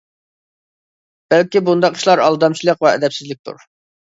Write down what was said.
بەلكى بۇنداق ئىشلار ئالدامچىلىق ۋە ئەدەپسىزلىكتۇر.